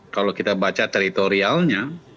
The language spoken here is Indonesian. kalau kita baca teritorialnya